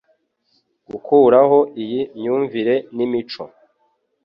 gukuraho iyi myumvire n'imico